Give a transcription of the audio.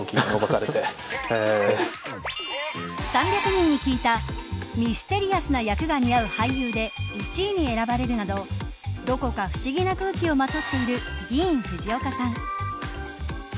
３００人に聞いたミステリアスな役が似合う俳優で１位に選ばれるなどどこか不思議な空気をまとっているディーン・フジオカさん。